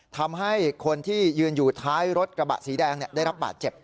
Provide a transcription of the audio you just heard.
ทำให้คนที่ยืนอยู่ท้ายรถกระบะสีแดงได้รับบาดเจ็บ